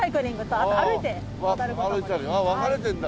ああ分かれてるんだ。